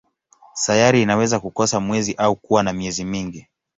Sayari inaweza kukosa mwezi au kuwa na miezi mingi.